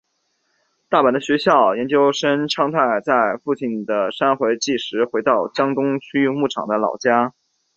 大阪的大学研究生苍太在父亲的三回忌时回到江东区木场的老家。